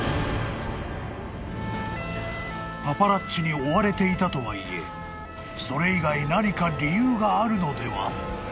［パパラッチに追われていたとはいえそれ以外何か理由があるのでは？］